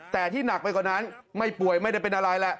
แต่ที่หนักไปกว่านั้นไม่ป่วยไม่ได้เป็นอะไรแหละ